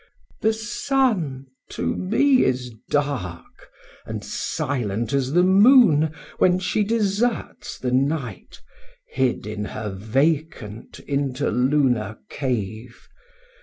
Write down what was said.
The Sun to me is dark And silent as the Moon, When she deserts the night Hid in her vacant interlunar cave.